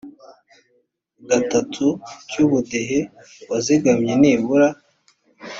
gatatu cy ubudehe wazigamye nibura